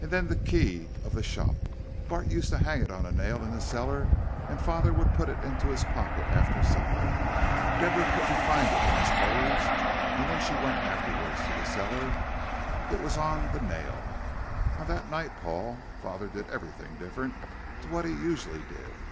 And then the key of the shop. Bart used to hang it on a nail in the cellar and father would put it into his pocket after supper. Deborah couldn't find it in his clothes, and when she went afterwards to the cellar it was on the nail. On that night, Paul, father did everything different to what he usually did."